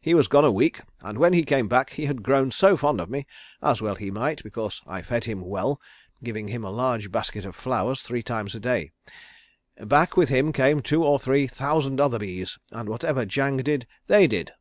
He was gone a week, and then he came back, he had grown so fond of me as well he might, because I fed him well, giving him a large basket of flowers three times a day. Back with him came two or three thousand other bees, and whatever Jang did they did."